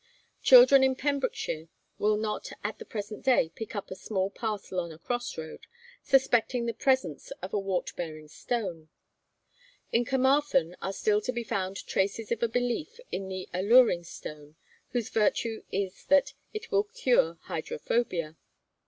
Children in Pembrokeshire will not at the present day pick up a small parcel on a cross road, suspecting the presence of the wart bearing stone. In Carmarthen are still to be found traces of a belief in the Alluring Stone, whose virtue is that it will cure hydrophobia.